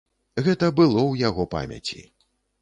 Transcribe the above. Гэта было ў яго памяці.